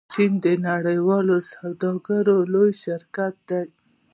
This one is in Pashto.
چین د نړیوالې سوداګرۍ لوی شریک دی.